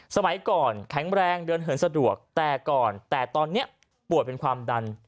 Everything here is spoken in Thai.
สมัยก่อนแข็งแรงเดินเหินสะดวกแต่ก่อนแต่ตอนนี้ป่วยเป็นความดัน